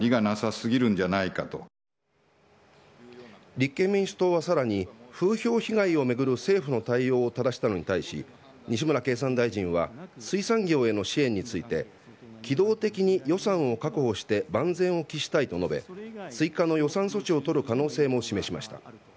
立憲民主党は、さらに風評被害を巡る政府の対応をただしたのに対し西村経産大臣は水産業への支援について機動的に予算を確保して万全を期したいと述べ追加の予算措置を取る可能性も示しました。